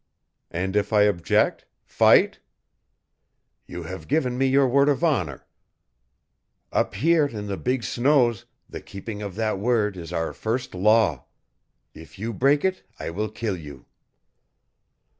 "And if I object fight?" "You have given me your word of honor. Up here in the big snows the keeping of that word is our first law. If you break it I will kill you."